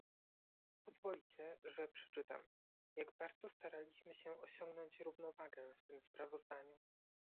Pozwolicie, że przeczytam, jak bardzo staraliśmy się osiągnąć równowagę w tym sprawozdaniu